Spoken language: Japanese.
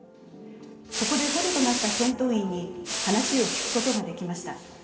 ここで捕虜となった戦闘員に話を聞くことができました。